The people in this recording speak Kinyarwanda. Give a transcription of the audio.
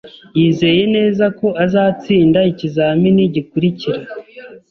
Yizeye neza ko azatsinda ikizamini gikurikira.